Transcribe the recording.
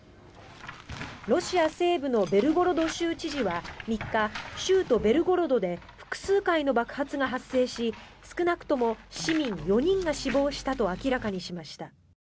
ロシア西部のベルゴロド州知事は３日州都ベルゴロドで複数回の爆発が発生し少なくとも市民４人が死亡したと明らかにしました。